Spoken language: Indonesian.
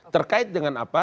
terkait dengan apa